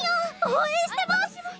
応援してます！